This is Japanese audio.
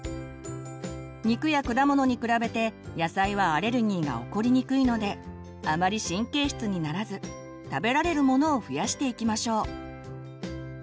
肉や果物に比べて野菜はアレルギーが起こりにくいのであまり神経質にならず食べられるものを増やしていきましょう。